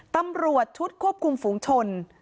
ตำรวจชุดควบคุมฝูงชน